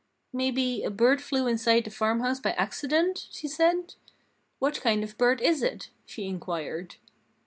"Maybe a bird flew inside the farmhouse by accident," she said. "What kind of bird is it?" she inquired.